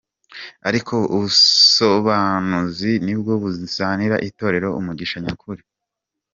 Ariko ubusobanuzi nibwo buzanira itorero umugisha nyakuri.